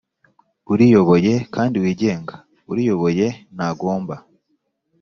uriyoboye kandi wigenga Uriyoboye ntagomba